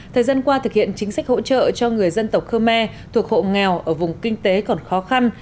thời gian qua thực hiện chính sách hỗ trợ cho người dân tộc khơ me thuộc hộ nghèo ở vùng kinh tế còn khó khăn